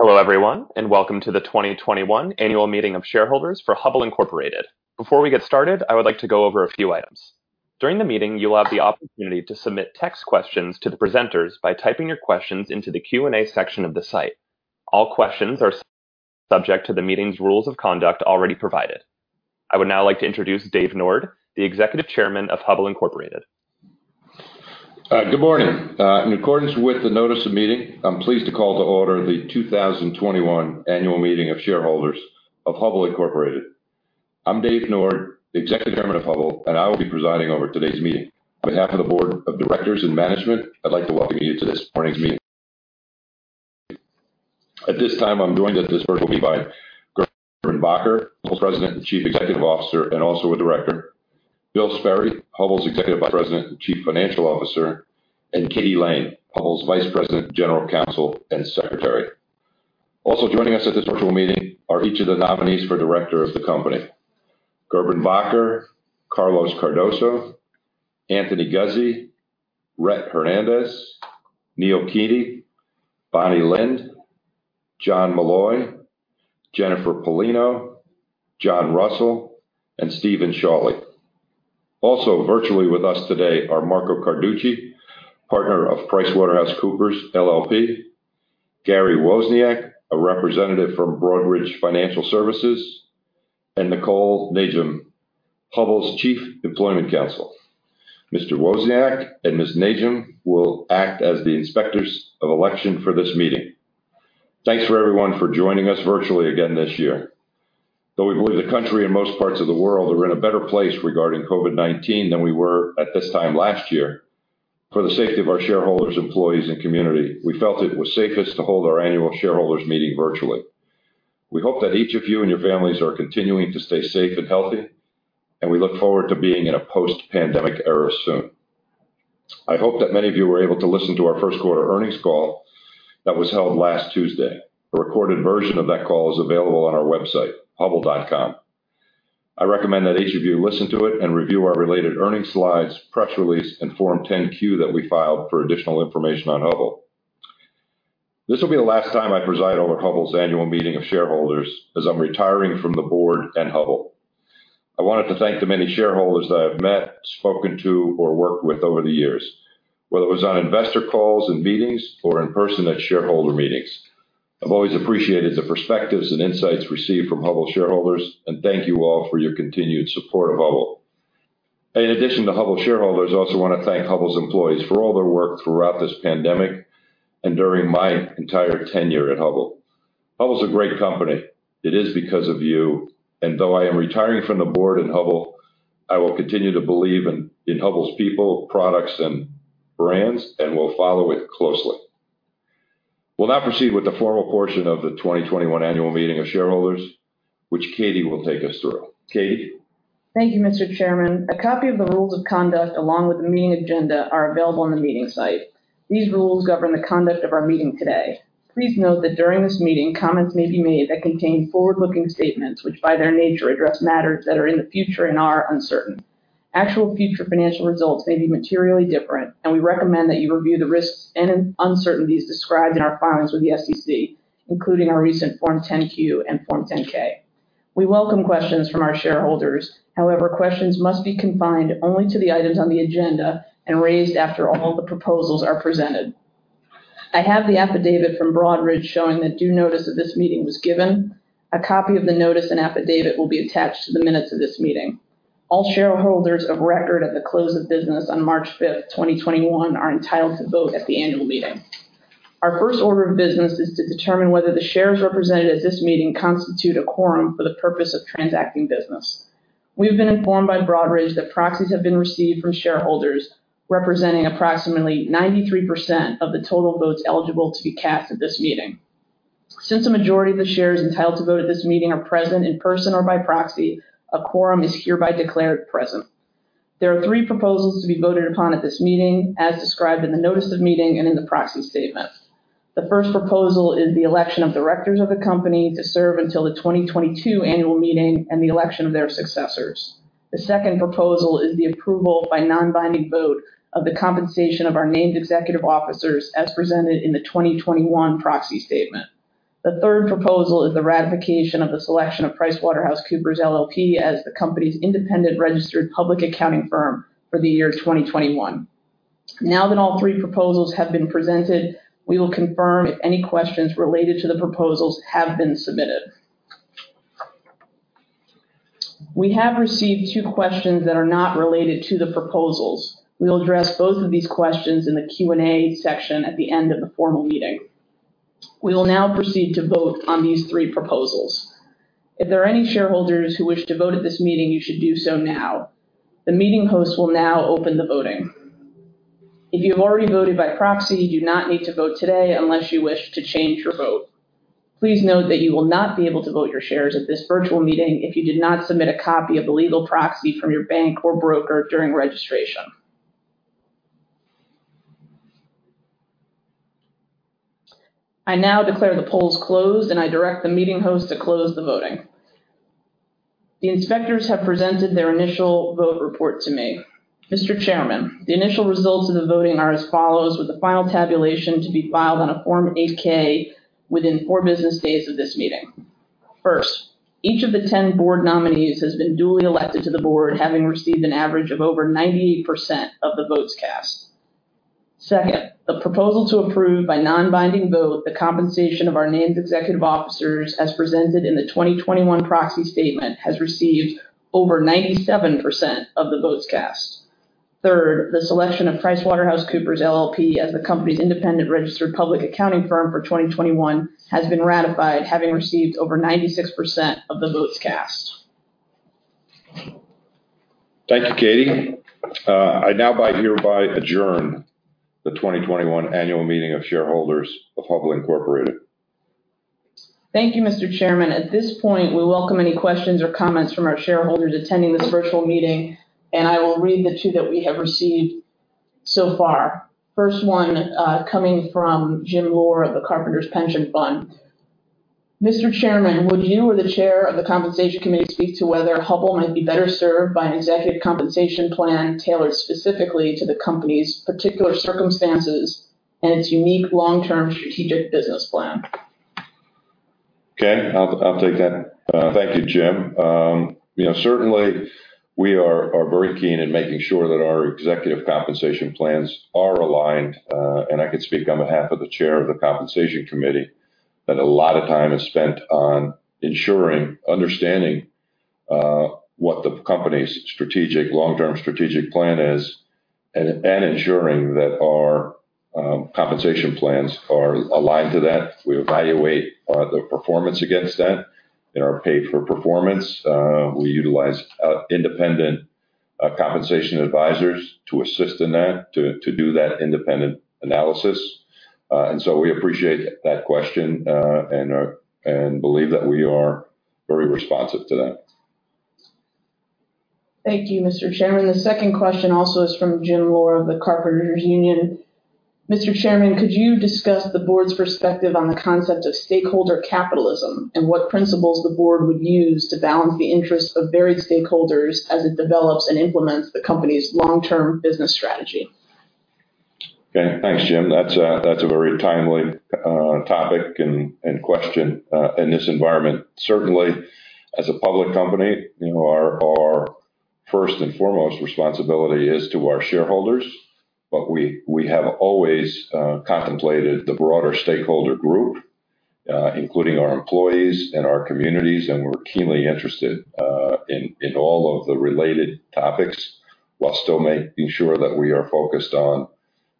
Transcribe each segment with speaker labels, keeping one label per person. Speaker 1: Hello everyone, and welcome to the 2021 Annual Meeting of Shareholders for Hubbell Incorporated. Before we get started, I would like to go over a few items. During the meeting, you'll have the opportunity to submit text questions to the presenters by typing your questions into the Q&A section of the site. All questions are subject to the meeting's rules of conduct already provided. I would now like to introduce Dave Nord, the Executive Chairman of Hubbell Incorporated.
Speaker 2: Good morning. In accordance with the notice of meeting, I'm pleased to call to order the 2021 Annual Meeting of Shareholders of Hubbell Incorporated. I'm Dave Nord, the Executive Chairman of Hubbell, and I will be presiding over today's meeting. On behalf of the Board of Directors and Management, I'd like to welcome you to this morning's meeting. At this time, I'm joined at this virtual meeting by Gerben Bakker, President and Chief Executive Officer and also a Director, Bill Sperry, Hubbell's Executive Vice President and Chief Financial Officer, and Katie Lane, Hubbell's Vice President, General Counsel, and Secretary. Also joining us at this virtual meeting are each of the nominees for Director of the Company: Gerben Bakker, Carlos Cardoso, Anthony Guzzi, Rhett Hernandez, Neal Keating, Bonnie Lind, John Malloy, Jennifer Pollino, John Russell, and Steven Shawley. Also virtually with us today are Marco Carducci, Partner of PricewaterhouseCoopers LLP, Gary Wozniak, a representative from Broadridge Financial Solutions, and Nicole Najam, Hubbell's Chief Employment Counsel. Mr. Wozniak and Ms. Najam will act as the Inspectors of Election for this meeting. Thanks for everyone for joining us virtually again this year. Though we believe the country and most parts of the world are in a better place regarding COVID-19 than we were at this time last year, for the safety of our shareholders, employees, and community, we felt it was safest to hold our annual shareholders' meeting virtually. We hope that each of you and your families are continuing to stay safe and healthy, and we look forward to being in a post-pandemic era soon. I hope that many of you were able to listen to our first quarter earnings call that was held last Tuesday. A recorded version of that call is available on our website, Hubbell.com. I recommend that each of you listen to it and review our related earnings slides, press release, and Form 10-Q that we filed for additional information on Hubbell. This will be the last time I preside over Hubbell's annual meeting of shareholders as I'm retiring from the board and Hubbell. I wanted to thank the many shareholders that I've met, spoken to, or worked with over the years, whether it was on investor calls and meetings or in person at shareholder meetings. I've always appreciated the perspectives and insights received from Hubbell shareholders, and thank you all for your continued support of Hubbell. In addition to Hubbell shareholders, I also want to thank Hubbell's employees for all their work throughout this pandemic and during my entire tenure at Hubbell. Hubbell's a great company. It is because of you, and though I am retiring from the board and Hubbell, I will continue to believe in Hubbell's people, products, and brands, and will follow it closely. We'll now proceed with the formal portion of the 2021 Annual Meeting of Shareholders, which Katie will take us through. Katie.
Speaker 3: Thank you, Mr. Chairman. A copy of the rules of conduct, along with the meeting agenda, are available on the meeting site. These rules govern the conduct of our meeting today. Please note that during this meeting, comments may be made that contain forward-looking statements which, by their nature, address matters that are in the future and are uncertain. Actual future financial results may be materially different, and we recommend that you review the risks and uncertainties described in our filings with the SEC, including our recent Form 10-Q and Form 10-K. We welcome questions from our shareholders. However, questions must be confined only to the items on the agenda and raised after all the proposals are presented. I have the affidavit from Broadridge showing that due notice of this meeting was given. A copy of the notice and affidavit will be attached to the minutes of this meeting. All shareholders of record at the close of business on March 5th, 2021, are entitled to vote at the annual meeting. Our first order of business is to determine whether the shares represented at this meeting constitute a quorum for the purpose of transacting business. We have been informed by Broadridge that proxies have been received from shareholders representing approximately 93% of the total votes eligible to be cast at this meeting. Since the majority of the shares entitled to vote at this meeting are present in person or by proxy, a quorum is hereby declared present. There are three proposals to be voted upon at this meeting, as described in the notice of meeting and in the proxy statement. The first proposal is the election of directors of the company to serve until the 2022 annual meeting and the election of their successors. The second proposal is the approval by non-binding vote of the compensation of our named executive officers as presented in the 2021 proxy statement. The third proposal is the ratification of the selection of PricewaterhouseCoopers LLP as the company's independent registered public accounting firm for the year 2021. Now that all three proposals have been presented, we will confirm if any questions related to the proposals have been submitted. We have received two questions that are not related to the proposals. We will address both of these questions in the Q&A section at the end of the formal meeting. We will now proceed to vote on these three proposals. If there are any shareholders who wish to vote at this meeting, you should do so now. The meeting host will now open the voting. If you have already voted by proxy, you do not need to vote today unless you wish to change your vote. Please note that you will not be able to vote your shares at this virtual meeting if you did not submit a copy of the legal proxy from your bank or broker during registration. I now declare the polls closed, and I direct the meeting host to close the voting. The inspectors have presented their initial vote report to me. Mr. Chairman, the initial results of the voting are as follows, with the final tabulation to be filed on a Form 8-K within four business days of this meeting. First, each of the 10 board nominees has been duly elected to the board, having received an average of over 98% of the votes cast. Second, the proposal to approve by non-binding vote the compensation of our named executive officers as presented in the 2021 Proxy Statement has received over 97% of the votes cast. Third, the selection of PricewaterhouseCoopers LLP as the company's independent registered public accounting firm for 2021 has been ratified, having received over 96% of the votes cast.
Speaker 2: Thank you, Katie. I now hereby adjourn the 2021 Annual Meeting of Shareholders of Hubbell Incorporated.
Speaker 3: Thank you, Mr. Chairman. At this point, we welcome any questions or comments from our shareholders attending this virtual meeting, and I will read the two that we have received so far. First one, coming from Jim Lohr of the Carpenters Pension Fund. Mr. Chairman, would you or the Chair of the Compensation Committee speak to whether Hubbell might be better served by an executive compensation plan tailored specifically to the company's particular circumstances and its unique long-term strategic business plan?
Speaker 2: Okay. I'll take that. Thank you, Jim. Certainly, we are very keen in making sure that our executive compensation plans are aligned, and I can speak on behalf of the Chair of the Compensation Committee that a lot of time is spent on ensuring understanding what the company's long-term strategic plan is and ensuring that our compensation plans are aligned to that. We evaluate the performance against that in our pay-for-performance. We utilize independent compensation advisors to assist in that, to do that independent analysis. And so we appreciate that question and believe that we are very responsive to that.
Speaker 3: Thank you, Mr. Chairman. The second question also is from Jim Lohr of the Carpenters Union. Mr. Chairman, could you discuss the board's perspective on the concept of Stakeholder Capitalism and what principles the board would use to balance the interests of varied stakeholders as it develops and implements the company's long-term business strategy?
Speaker 2: Okay. Thanks, Jim. That's a very timely topic and question in this environment. Certainly, as a public company, our first and foremost responsibility is to our shareholders, but we have always contemplated the broader stakeholder group, including our employees and our communities, and we're keenly interested in all of the related topics while still making sure that we are focused on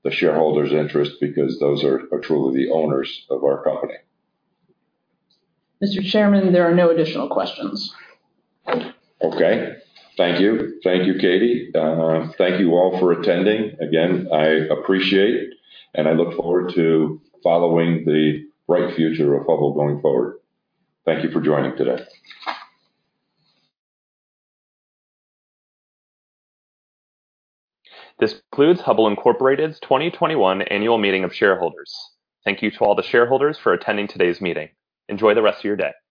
Speaker 2: the shareholders' interests because those are truly the owners of our company.
Speaker 3: Mr. Chairman, there are no additional questions.
Speaker 2: Okay. Thank you. Thank you, Katie. Thank you all for attending. Again, I appreciate and I look forward to following the bright future of Hubbell going forward. Thank you for joining today.
Speaker 1: This concludes Hubbell Incorporated's 2021 Annual Meeting of Shareholders. Thank you to all the shareholders for attending today's meeting. Enjoy the rest of your day.